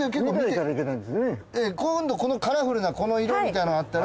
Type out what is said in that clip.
今度このカラフルなこの色みたいなのがあったら。